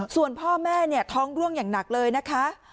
ส่วนพ่อแม่เนี่ยท้องร่วงอย่างหนักเลยนะคะ